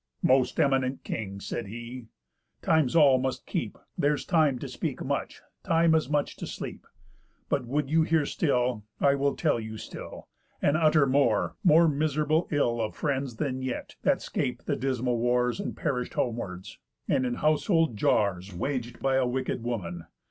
"Most eminent king," said he, "times all must keep, There's time to speak much, time as much to sleep. But would you hear still, I will tell you still, And utter more, more miserable ill Of friends than yet, that scap'd the dismal wars, And perish'd homewards, and in household jars Wag'd by a wicked woman.